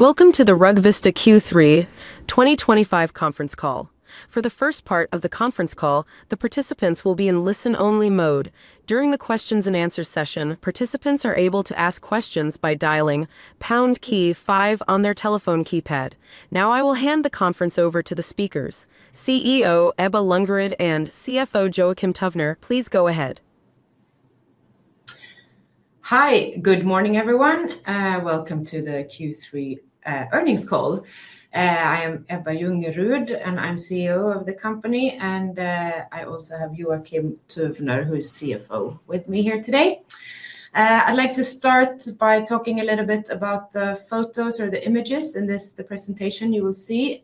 Welcome to the Rugvista Q3 2025 conference call. For the first part of the conference call, the participants will be in listen-only mode. During the Q&A session, participants are able to ask questions by dialing pound key five on their telephone keypad. Now I will hand the conference over to the speakers. CEO Ebba Ljungerud and CFO Joakim Tuvner, please go ahead. Hi, good morning everyone. Welcome to the Q3 earnings call. I am Ebba Ljungerud, and I'm CEO of the company, and I also have Joakim Tuvner, who is CFO, with me here today. I'd like to start by talking a little bit about the photos or the images in this presentation you will see.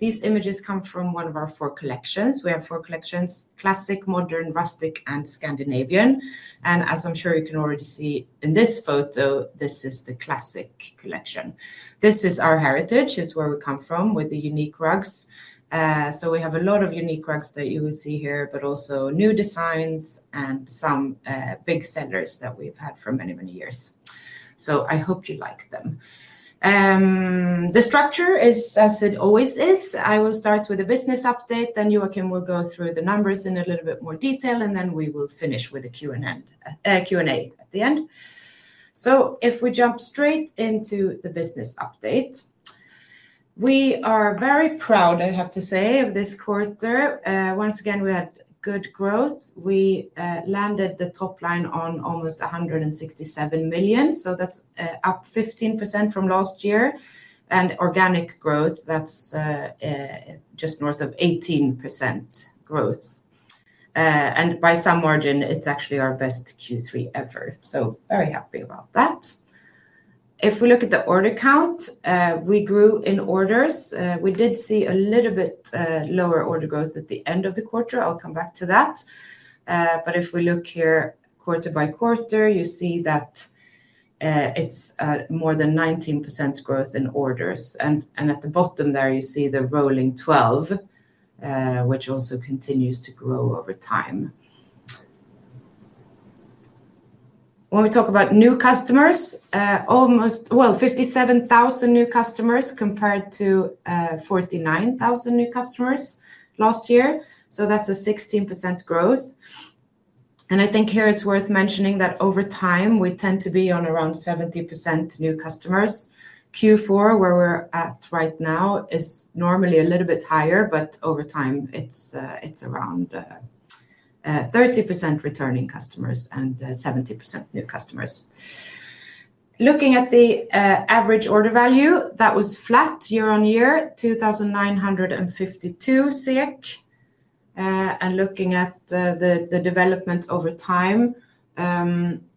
These images come from one of our four collections. We have four collections: Classic, Modern, Rustic, and Scandinavian. As I'm sure you can already see in this photo, this is the Classic collection. This is our heritage, is where we come from with the unique rugs. We have a lot of unique rugs that you will see here, but also new designs and some big sellers that we've had for many, many years. I hope you like them. The structure is as it always is. I will start with a business update, then Joakim will go through the numbers in a little bit more detail, and then we will finish with a Q&A at the end. If we jump straight into the business update, we are very proud, I have to say, of this quarter. Once again, we had good growth. We landed the top line on almost 167 million, so that's up 15% from last year. Organic growth, that's just north of 18% growth. By some margin, it's actually our best Q3 ever. Very happy about that. If we look at the order count, we grew in orders. We did see a little bit lower order growth at the end of the quarter. I'll come back to that. If we look here quarter by quarter, you see that it's more than 19% growth in orders. At the bottom there, you see the rolling 12, which also continues to grow over time. When we talk about new customers, almost, well, 57,000 new customers compared to 49,000 new customers last year. That is a 16% growth. I think here it is worth mentioning that over time we tend to be on around 70% new customers. Q4, where we are at right now, is normally a little bit higher, but over time it is around 30% returning customers and 70% new customers. Looking at the average order value, that was flat year on year, 2,952. Looking at the development over time,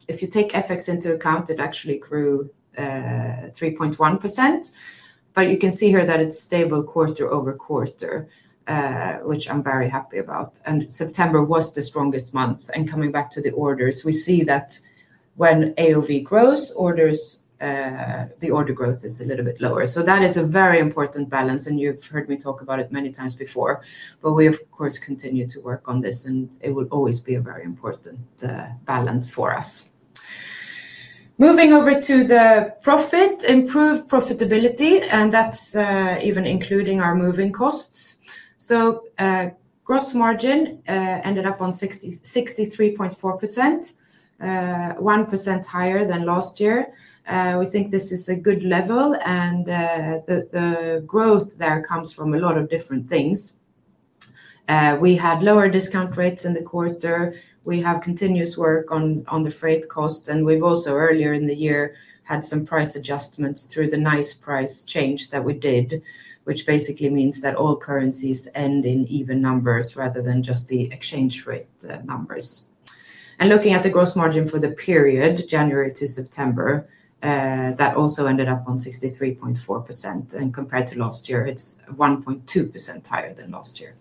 if you take FX into account, it actually grew 3.1%. You can see here that it is stable quarter over quarter, which I am very happy about. September was the strongest month. Coming back to the orders, we see that. When AOV grows, the order growth is a little bit lower. That is a very important balance, and you've heard me talk about it many times before. We, of course, continue to work on this, and it will always be a very important balance for us. Moving over to the profit, improved profitability, and that's even including our moving costs. Gross margin ended up on 63.4%, 1% higher than last year. We think this is a good level, and the growth there comes from a lot of different things. We had lower discount rates in the quarter. We have continuous work on the freight costs, and we've also, earlier in the year, had some price adjustments through the nice price change that we did, which basically means that all currencies end in even numbers rather than just the exchange rate numbers. Looking at the gross margin for the period, January to September. That also ended up on 63.4%, and compared to last year, it's 1.2% higher than last year.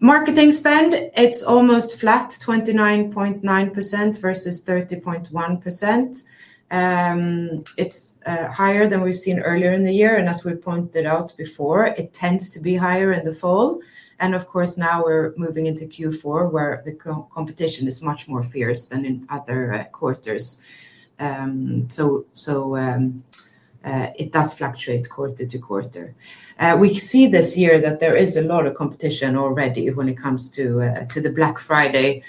Marketing spend, it's almost flat, 29.9% versus 30.1%. It's higher than we've seen earlier in the year, and as we pointed out before, it tends to be higher in the fall. Of course, now we're moving into Q4 where the competition is much more fierce than in other quarters. It does fluctuate quarter to quarter. We see this year that there is a lot of competition already when it comes to the Black Friday.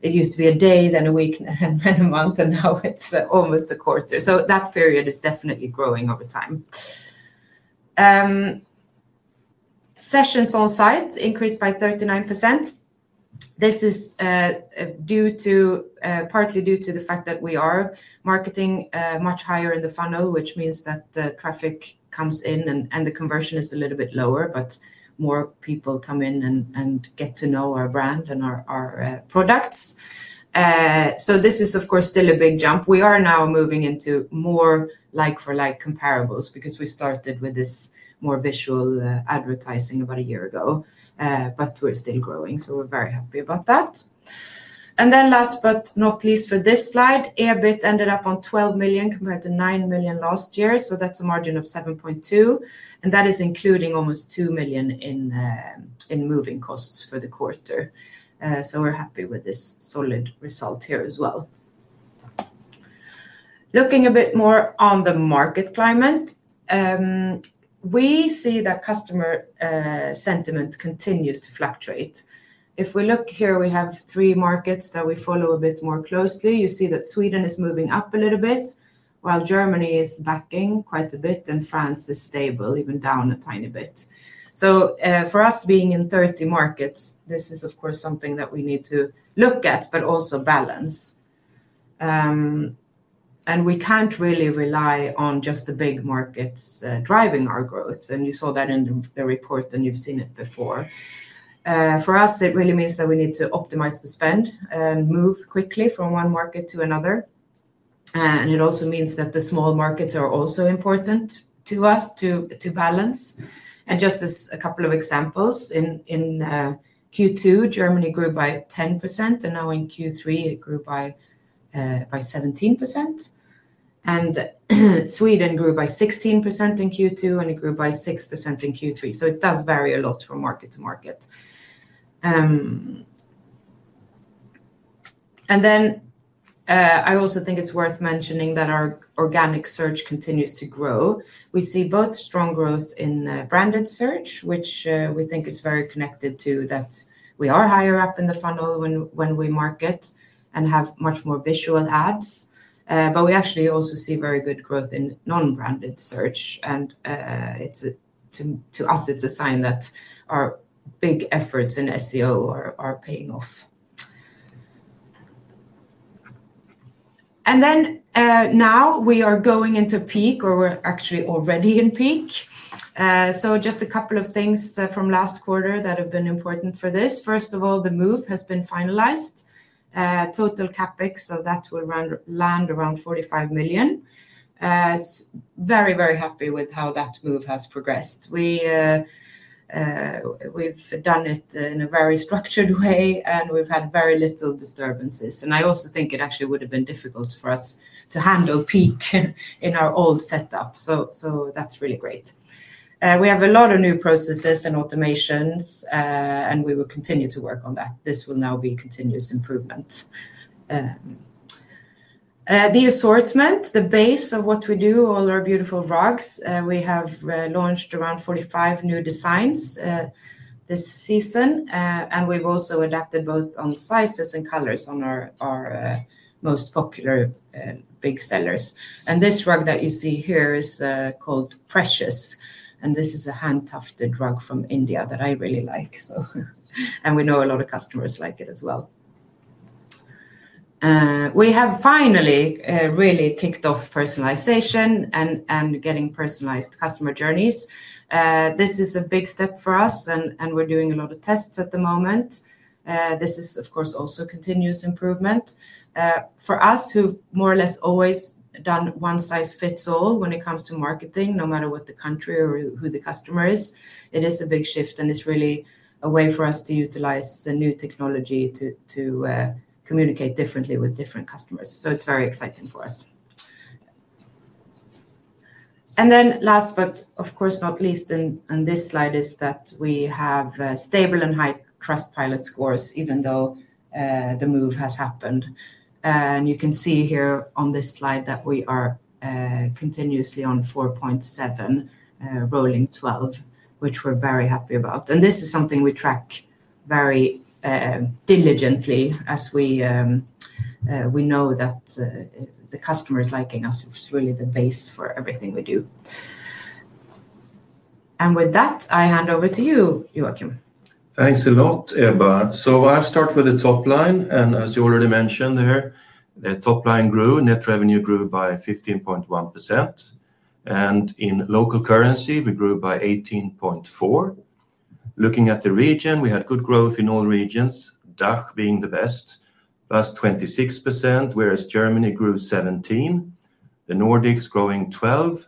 It used to be a day, then a week, and then a month, and now it's almost a quarter. That period is definitely growing over time. Sessions on site increased by 39%. This is. Partly due to the fact that we are marketing much higher in the funnel, which means that traffic comes in and the conversion is a little bit lower, but more people come in and get to know our brand and our products. This is, of course, still a big jump. We are now moving into more like-for-like comparables because we started with this more visual advertising about a year ago, but we're still growing, so we're very happy about that. Last but not least for this slide, EBIT ended up on 12 million compared to 9 million last year. That's a margin of 7.2%, and that is including almost 2 million in moving costs for the quarter. We're happy with this solid result here as well. Looking a bit more on the market climate, we see that customer sentiment continues to fluctuate. If we look here, we have three markets that we follow a bit more closely. You see that Sweden is moving up a little bit, while Germany is backing quite a bit, and France is stable, even down a tiny bit. For us, being in 30 markets, this is, of course, something that we need to look at, but also balance. We can't really rely on just the big markets driving our growth, and you saw that in the report, and you've seen it before. For us, it really means that we need to optimize the spend and move quickly from one market to another. It also means that the small markets are also important to us to balance. Just as a couple of examples, in Q2, Germany grew by 10%, and now in Q3, it grew by 17%. Sweden grew by 16% in Q2, and it grew by 6% in Q3. It does vary a lot from market to market. I also think it's worth mentioning that our organic search continues to grow. We see both strong growth in branded search, which we think is very connected to that we are higher up in the funnel when we market and have much more visual ads. We actually also see very good growth in non-branded search. To us, it's a sign that our big efforts in SEO are paying off. Now we are going into peak, or we're actually already in peak. Just a couple of things from last quarter that have been important for this. First of all, the move has been finalized. Total CapEx, so that will land around 45 million. Very, very happy with how that move has progressed. We've done it in a very structured way, and we've had very little disturbances. I also think it actually would have been difficult for us to handle peak in our old setup. That is really great. We have a lot of new processes and automations, and we will continue to work on that. This will now be continuous improvement. The assortment, the base of what we do, all our beautiful rugs. We have launched around 45 new designs this season, and we've also adapted both on sizes and colors on our most popular big sellers. This rug that you see here is called Precious, and this is a hand-tufted rug from India that I really like. We know a lot of customers like it as well. We have finally really kicked off personalization and getting personalized customer journeys. This is a big step for us, and we're doing a lot of tests at the moment. This is, of course, also continuous improvement. For us, who have more or less always done one size fits all when it comes to marketing, no matter what the country or who the customer is, it is a big shift, and it's really a way for us to utilize the new technology to communicate differently with different customers. It is very exciting for us. Last but of course not least on this slide is that we have stable and high Trustpilot scores, even though the move has happened. You can see here on this slide that we are continuously on 4.7 rolling 12, which we're very happy about. This is something we track very diligently as we know that the customer is liking us. It's really the base for everything we do. With that, I hand over to you, Joakim. Thanks a lot, Ebba. I'll start with the top line. As you already mentioned there, the top line grew, net revenue grew by 15.1%. In local currency, we grew by 18.4%. Looking at the region, we had good growth in all regions, DACH being the best, +26%, whereas Germany grew 17%. The Nordics growing 12%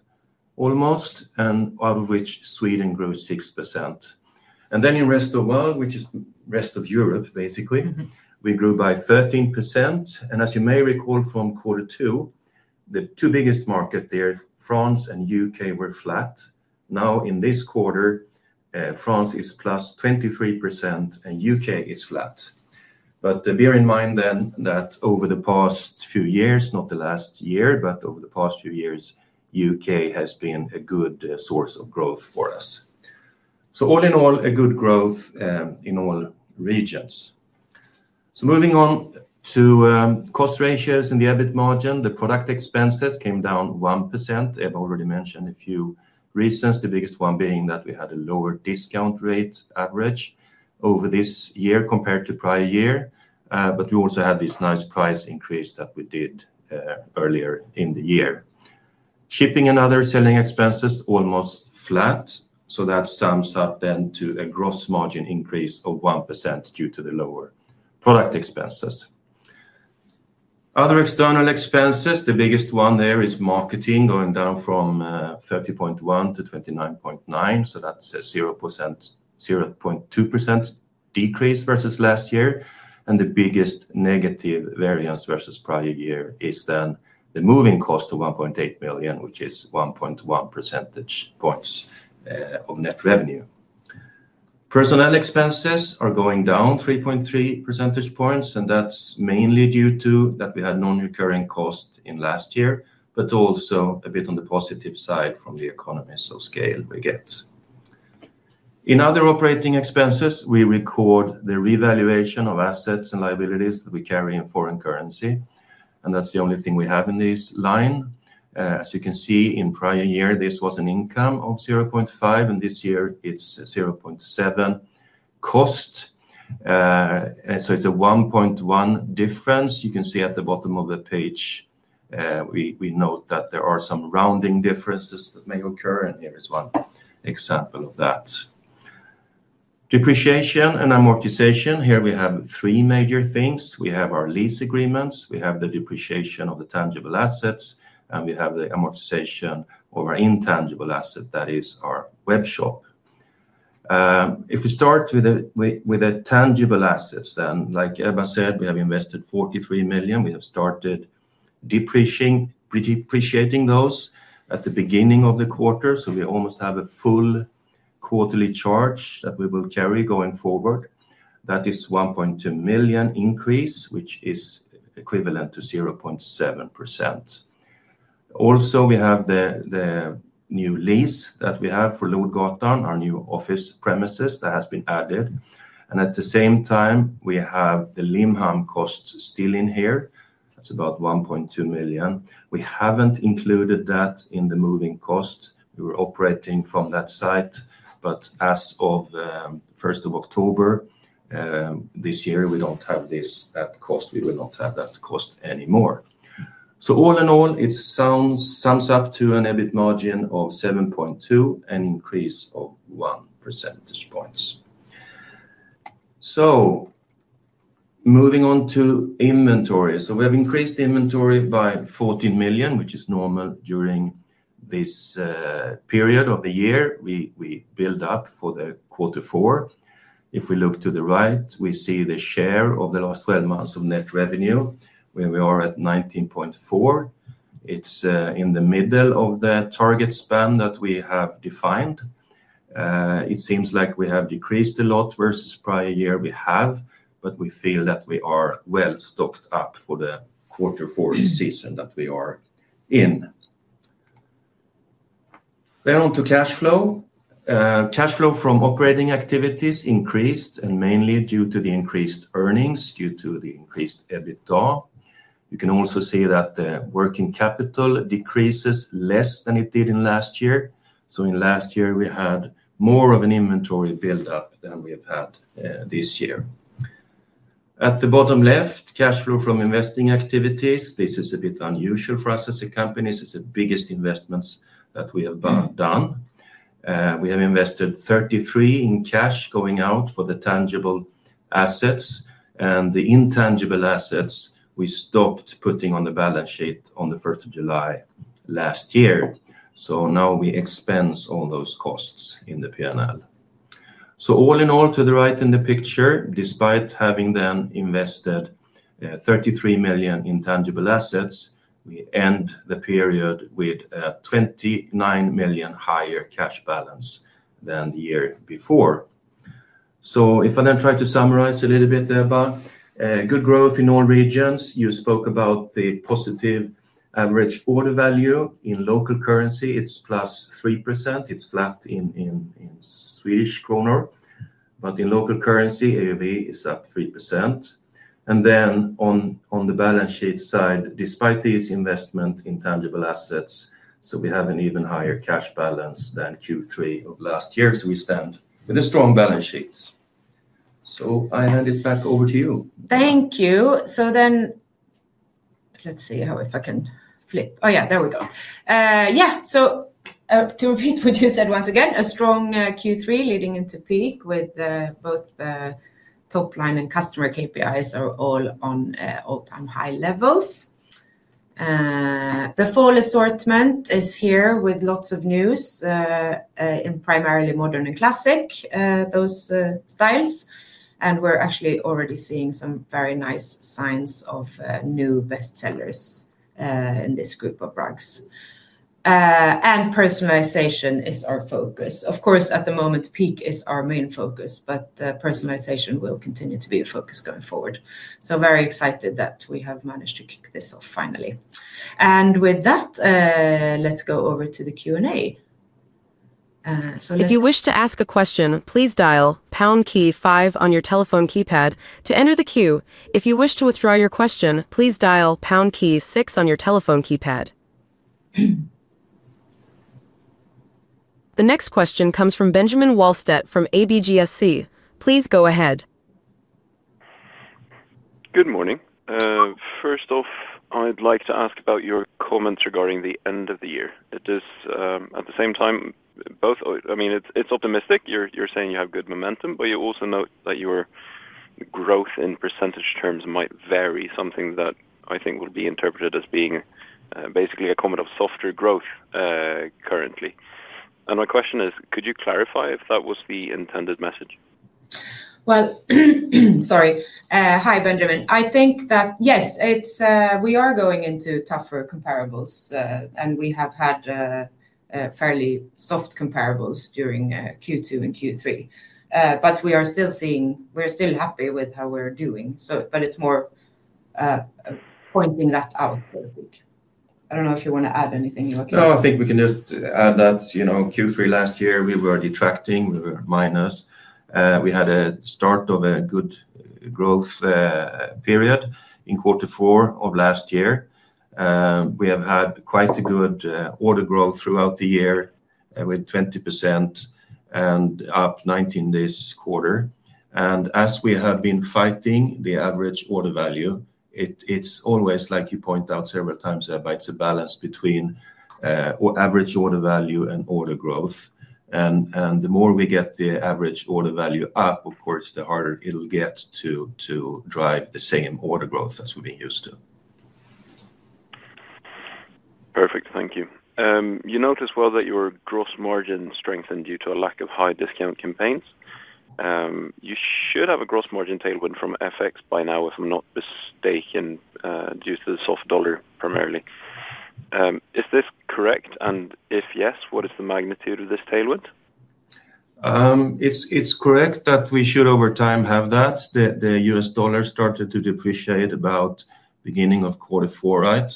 almost, out of which Sweden grew 6%. In rest of the world, which is rest of Europe basically, we grew by 13%. As you may recall from quarter two, the two biggest markets there, France and U.K., were flat. Now in this quarter, France is +23%, and U.K. is flat. Bear in mind then that over the past few years, not the last year, but over the past few years, U.K. has been a good source of growth for us. All in all, a good growth in all regions. Moving on to cost ratios and the EBIT margin, the product expenses came down 1%. I've already mentioned a few reasons, the biggest one being that we had a lower discount rate average over this year compared to prior year. We also had this nice price increase that we did earlier in the year. Shipping and other selling expenses almost flat. That sums up to a gross margin increase of 1% due to the lower product expenses. Other external expenses, the biggest one there is marketing going down from 30.1% to 29.9%. That is a 0.2% decrease versus last year. The biggest negative variance versus prior year is the moving cost of 1.8 million, which is 1.1 percentage points of net revenue. Personnel expenses are going down 3.3 percentage points, and that's mainly due to that we had non-recurring cost in last year, but also a bit on the positive side from the economies of scale we get. In other operating expenses, we record the revaluation of assets and liabilities that we carry in foreign currency. That's the only thing we have in this line. As you can see, in prior year, this was an income of 0.5, and this year it's 0.7. Cost. It's a 1.1 difference. You can see at the bottom of the page. We note that there are some rounding differences that may occur, and here is one example of that. Depreciation and amortization. Here we have three major things. We have our lease agreements, we have the depreciation of the tangible assets, and we have the amortization of our intangible asset, that is our web shop. If we start with tangible assets, then like Ebba said, we have invested 43 million. We have started depreciating those at the beginning of the quarter, so we almost have a full quarterly charge that we will carry going forward. That is 1.2 million increase, which is equivalent to 0.7%. Also, we have the new lease that we have for Lodgatan, our new office premises that has been added. At the same time, we have the Limhamn costs still in here. That is about 1.2 million. We have not included that in the moving cost. We were operating from that site, but as of 1st of October this year, we do not have that cost. We will not have that cost anymore. All in all, it sums up to an EBIT margin of 7.2% and an increase of 1 percentage points. Moving on to inventory. We have increased inventory by 14 million, which is normal during this period of the year. We build up for quarter four. If we look to the right, we see the share of the last 12 months of net revenue, where we are at 19.4%. It is in the middle of the target span that we have defined. It seems like we have decreased a lot versus prior year. We have, but we feel that we are well stocked up for the quarter four season that we are in. On to cash flow. Cash flow from operating activities increased, mainly due to the increased earnings, due to the increased EBITDA. You can also see that the working capital decreases less than it did in last year. In last year, we had more of an inventory buildup than we have had this year. At the bottom left, cash flow from investing activities. This is a bit unusual for us as a company. This is the biggest investments that we have done. We have invested 33 million in cash going out for the tangible assets. The intangible assets, we stopped putting on the balance sheet on the 1st of July last year. Now we expense all those costs in the P&L. All in all, to the right in the picture, despite having then invested 33 million in tangible assets, we end the period with a 29 million higher cash balance than the year before. If I then try to summarize a little bit, Ebba, good growth in all regions. You spoke about the positive average order value in local currency. It is +3%. It is flat in Swedish krona. But in local currency, AOV is up 3%. On the balance sheet side, despite these investments in tangible assets, we have an even higher cash balance than Q3 of last year. We stand with a strong balance sheet. I hand it back over to you. Thank you. Let's see if I can flip. Oh yeah, there we go. To repeat what you said once again, a strong Q3 leading into peak with both top line and customer KPIs are all on all-time high levels. The fall assortment is here with lots of news, in primarily modern and classic styles. We're actually already seeing some very nice signs of new best sellers in this group of rugs. Personalization is our focus. Of course, at the moment, peak is our main focus, but personalization will continue to be a focus going forward. Very excited that we have managed to kick this off finally. With that, let's go over to the Q&A. If you wish to ask a question, please dial pound key five on your telephone keypad to enter the queue. If you wish to withdraw your question, please dial pound key six on your telephone keypad. The next question comes from Benjamin Wahlstedt from ABG SC. Please go ahead. Good morning. First off, I'd like to ask about your comments regarding the end of the year. At the same time, both, I mean, it's optimistic. You're saying you have good momentum, but you also note that your growth in percentage terms might vary, something that I think will be interpreted as being basically a comment of softer growth currently. And my question is, could you clarify if that was the intended message? Hi, Benjamin. I think that yes, we are going into tougher comparables, and we have had fairly soft comparables during Q2 and Q3. We are still seeing, we're still happy with how we're doing. It is more pointing that out. I do not know if you want to add anything, Joakim. No, I think we can just add that Q3 last year, we were detracting, we were minus. We had a start of a good growth period in quarter four of last year. We have had quite a good order growth throughout the year with 20%. And up 19% this quarter. As we have been fighting the average order value, it's always, like you point out several times, Ebba, it's a balance between average order value and order growth. The more we get the average order value up, of course, the harder it'll get to drive the same order growth as we've been used to. Perfect. Thank you. You notice well that your gross margin strengthened due to a lack of high discount campaigns. You should have a gross margin tailwind from FX by now, if I'm not mistaken, due to the soft dollar primarily. Is this correct? If yes, what is the magnitude of this tailwind? It's correct that we should over time have that. The U.S. dollar started to depreciate about the beginning of quarter four, right?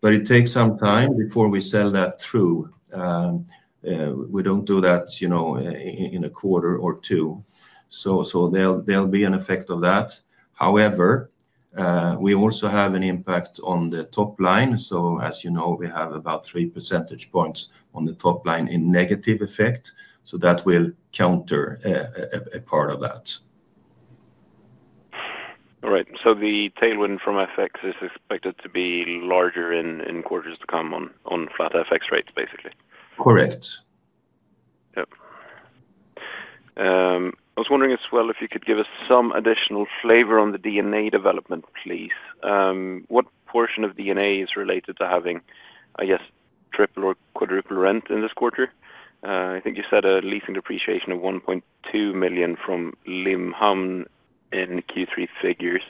But it takes some time before we sell that through. We don't do that in a quarter or two. So there'll be an effect of that. However, we also have an impact on the top line. As you know, we have about three percentage points on the top line in negative effect. That will counter a part of that. All right. The tailwind from FX is expected to be larger in quarters to come on flat FX rates, basically. Correct. Yep. I was wondering as well if you could give us some additional flavor on the D&A development, please. What portion of D&A is related to having, I guess, triple or quadruple rent in this quarter? I think you said a leasing depreciation of 1.2 million from Limhamn in Q3 figures.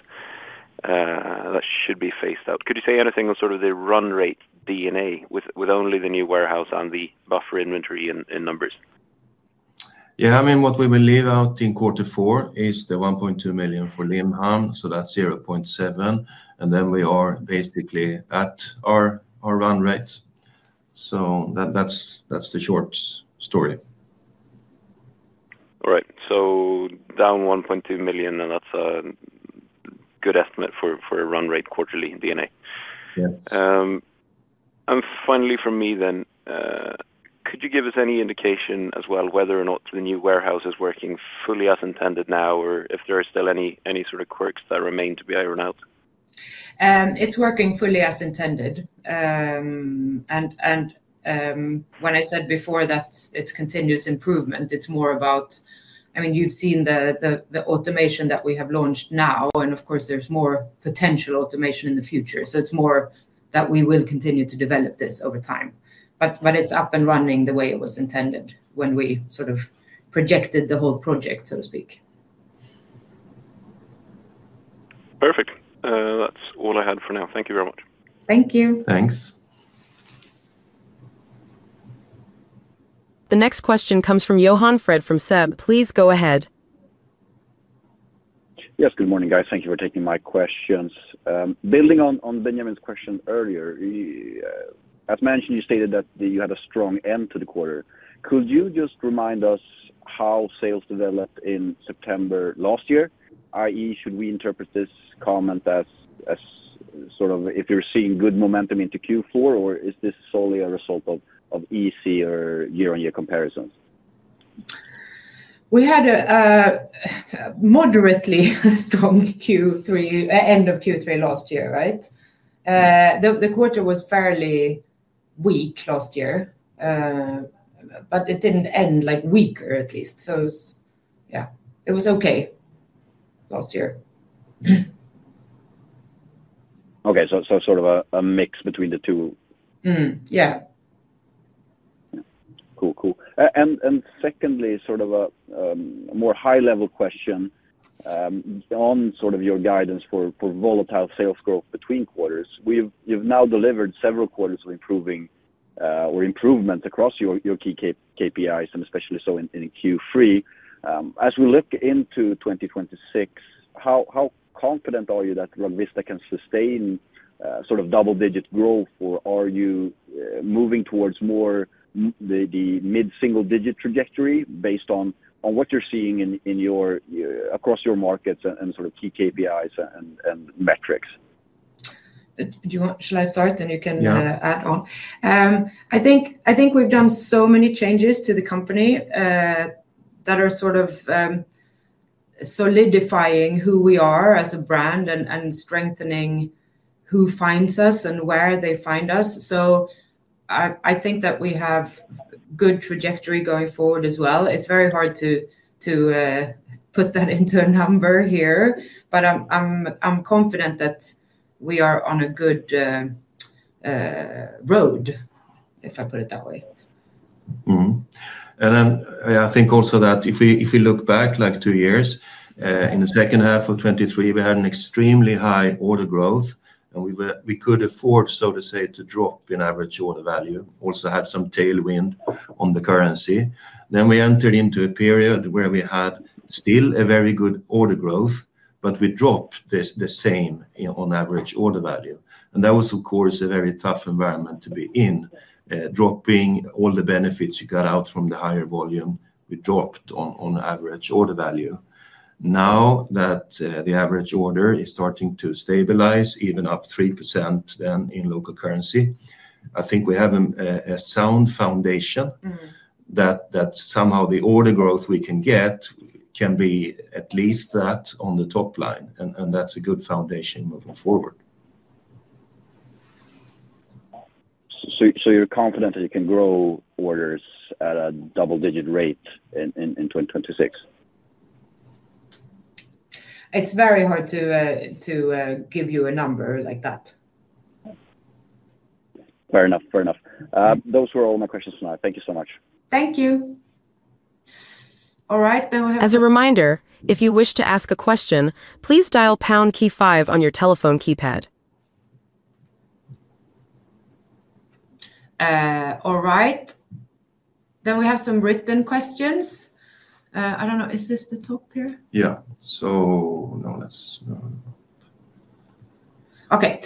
That should be phased out. Could you say anything on sort of the run rate D&A with only the new warehouse and the buffer inventory in numbers? Yeah, I mean, what we will leave out in quarter four is the 1.2 million for Limhamn. So that's 0.7 million. And then we are basically at our run rates. So that's the short story. All right. So down 1.2 million, and that's a good estimate for a run rate quarterly D&A. Finally, for me then, could you give us any indication as well whether or not the new warehouse is working fully as intended now, or if there are still any sort of quirks that remain to be ironed out? It's working fully as intended. When I said before that it's continuous improvement, it's more about, I mean, you've seen the automation that we have launched now, and of course, there's more potential automation in the future. It's more that we will continue to develop this over time. It's up and running the way it was intended when we sort of projected the whole project, so to speak. Perfect. That's all I had for now. Thank you very much. Thank you. Thanks. The next question comes from Johan Fred from SEB. Please go ahead. Yes, good morning, guys. Thank you for taking my questions. Building on Benjamin's question earlier. As mentioned, you stated that you had a strong end to the quarter. Could you just remind us how sales developed in September last year? I.e., should we interpret this comment as sort of if you're seeing good momentum into Q4, or is this solely a result of easier year-on-year comparisons? We had a moderately strong end of Q3 last year, right? The quarter was fairly weak last year. It did not end weaker, at least. Yeah, it was okay last year. Okay. So sort of a mix between the two. Yeah. Cool, cool. Secondly, sort of a more high-level question. On your guidance for volatile sales growth between quarters. You've now delivered several quarters of improvement across your key KPIs, and especially so in Q3. As we look into 2026, how confident are you that Rugvista can sustain sort of double-digit growth, or are you moving towards more the mid-single-digit trajectory based on what you're seeing across your markets and key KPIs and metrics? Shall I start, and you can add on? Yeah. I think we've done so many changes to the company that are sort of solidifying who we are as a brand and strengthening who finds us and where they find us. I think that we have good trajectory going forward as well. It's very hard to put that into a number here, but I'm confident that we are on a good road, if I put it that way. If we look back like two years, in the second half of 2023, we had an extremely high order growth, and we could afford, so to say, to drop in average order value. We also had some tailwind on the currency. We entered into a period where we had still a very good order growth, but we dropped the same on average order value. That was, of course, a very tough environment to be in. Dropping all the benefits you got out from the higher volume, we dropped on average order value. Now that the average order is starting to stabilize, even up 3% in local currency, I think we have a sound foundation that somehow the order growth we can get can be at least that on the top line. That is a good foundation moving forward. You're confident that you can grow orders at a double-digit rate in 2026? It's very hard to give you a number like that. Fair enough, fair enough. Those were all my questions for now. Thank you so much. Thank you. All right, then we have. As a reminder, if you wish to ask a question, please dial pound key five on your telephone keypad. All right. Then we have some written questions. I don't know, is this the top here? Yeah. So no, let's. Okay.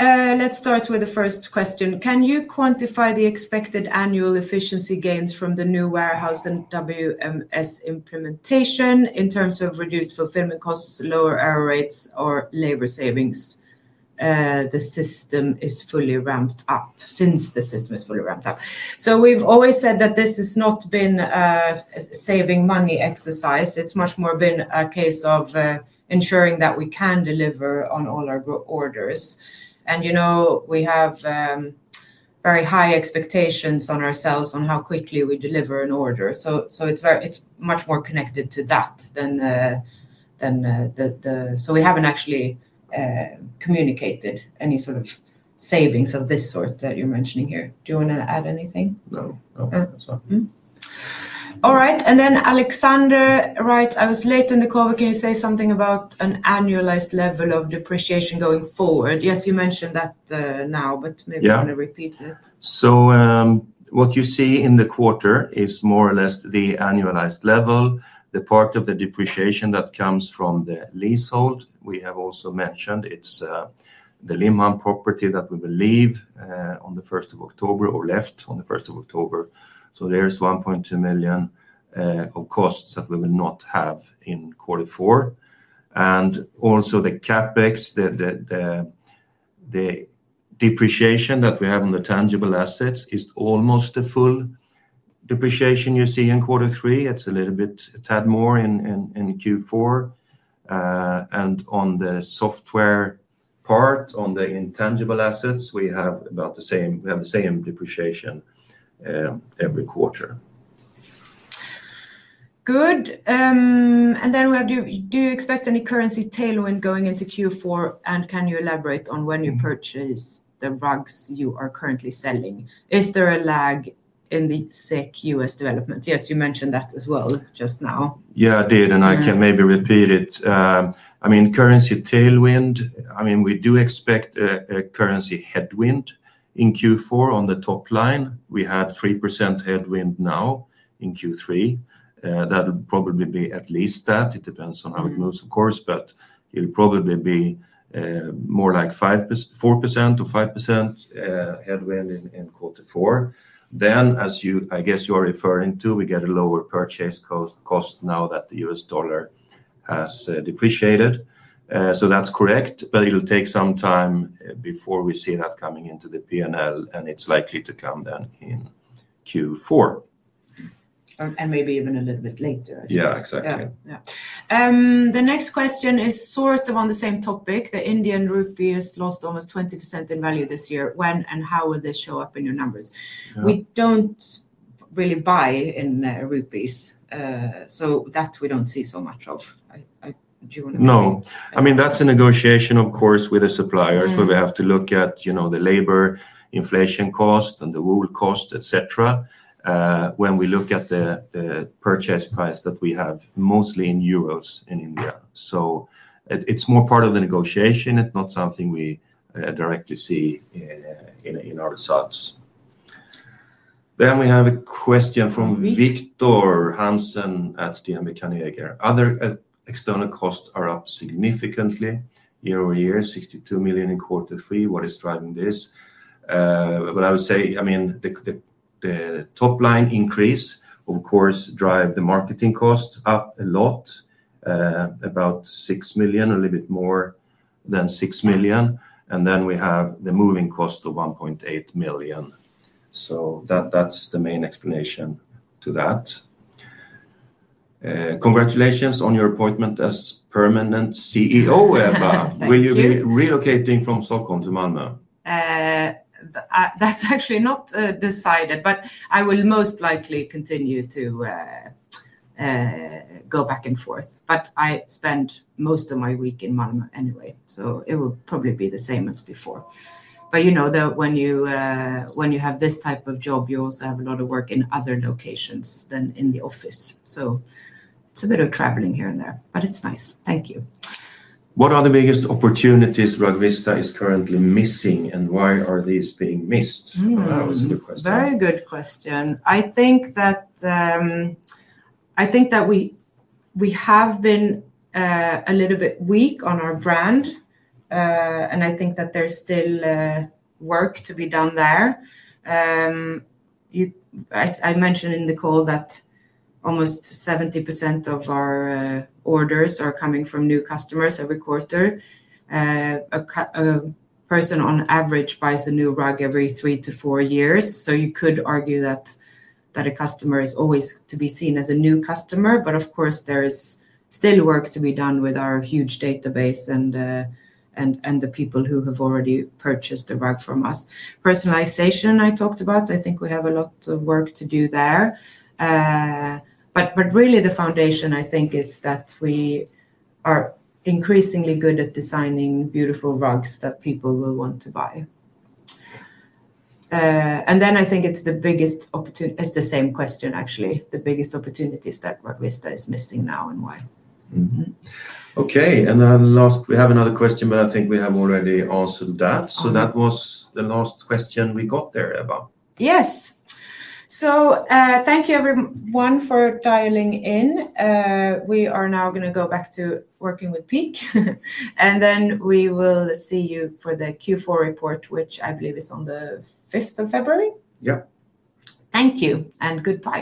Let's start with the first question. Can you quantify the expected annual efficiency gains from the new warehouse and WMS implementation in terms of reduced fulfillment costs, lower error rates, or labor savings? The system is fully ramped up since the system is fully ramped up. We've always said that this has not been a saving money exercise. It's much more been a case of ensuring that we can deliver on all our orders. We have very high expectations on ourselves on how quickly we deliver an order. It's much more connected to that than the—so we haven't actually communicated any sort of savings of this sort that you're mentioning here. Do you want to add anything? No, no, that's fine. All right. Alexander writes, "I was late in the call, but can you say something about an annualized level of depreciation going forward?" Yes, you mentioned that now, but maybe you want to repeat it. What you see in the quarter is more or less the annualized level. The part of the depreciation that comes from the leasehold, we have also mentioned it's the Limhamn property that we will leave on the 1st of October or left on the 1st of October. There is 1.2 million of costs that we will not have in Q4. Also, the CapEx, the depreciation that we have on the tangible assets is almost the full depreciation you see in Q3. It's a little bit, a tad more in Q4. On the software part, on the intangible assets, we have about the same. We have the same depreciation every quarter. Good. Do you expect any currency tailwind going into Q4? Can you elaborate on when you purchase the rugs you are currently selling? Is there a lag in the SEK-USD development? Yes, you mentioned that as well just now. Yeah, I did. I can maybe repeat it. I mean, currency tailwind, I mean, we do expect a currency headwind in Q4 on the top line. We had 3% headwind now in Q3. That will probably be at least that. It depends on how it moves, of course, but it'll probably be more like 4%-5% headwind in quarter four. As I guess you are referring to, we get a lower purchase cost now that the U.S. dollar has depreciated. That's correct, but it'll take some time before we see that coming into the P&L, and it's likely to come then in Q4. Maybe even a little bit later, I suppose. Yeah, exactly. Yeah. The next question is sort of on the same topic. The Indian rupee has lost almost 20% in value this year. When and how will this show up in your numbers? We do not really buy in rupees. So that we do not see so much of. Do you want to? No. I mean, that's a negotiation, of course, with the suppliers where we have to look at the labor, inflation cost, and the raw cost, etc. When we look at the purchase price that we have mostly in euros in India. It is more part of the negotiation. It is not something we directly see in our results. Then we have a question from Victor Hansen at DNB Carnegie. Other external costs are up significantly year over year, 62 million in quarter three. What is driving this? What I would say, I mean, the top line increase, of course, drives the marketing costs up a lot, about 6 million, a little bit more than 6 million. Then we have the moving cost of 1.8 million. That is the main explanation to that. Congratulations on your appointment as permanent CEO, Ebba. Will you be relocating from Stockholm to Malmö? That's actually not decided, but I will most likely continue to go back and forth. I spend most of my week in Malmö anyway, so it will probably be the same as before. You know that when you have this type of job, you also have a lot of work in other locations than in the office. It is a bit of traveling here and there, but it's nice. Thank you. What are the biggest opportunities Rugvista is currently missing, and why are these being missed? That was a good question. Very good question. I think that we have been a little bit weak on our brand. I think that there is still work to be done there. I mentioned in the call that almost 70% of our orders are coming from new customers every quarter. A person, on average, buys a new rug every three to four years. You could argue that a customer is always to be seen as a new customer. Of course, there is still work to be done with our huge database and the people who have already purchased a rug from us. Personalization I talked about, I think we have a lot of work to do there. Really, the foundation, I think, is that we are increasingly good at designing beautiful rugs that people will want to buy. I think it's the biggest opportunity. It's the same question, actually. The biggest opportunities that Rugvista is missing now and why. Okay. And then last, we have another question, but I think we have already answered that. So that was the last question we got there, Ebba. Yes. Thank you, everyone, for dialing in. We are now going to go back to working with Peak. We will see you for the Q4 report, which I believe is on the 5th of February. Yeah. Thank you. Goodbye.